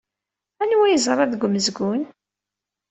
Anwa ay yeẓra deg umezgun?